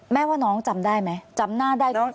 แม่ว่าน้องจำได้ไหมจำหน้าได้กว่าคนไหม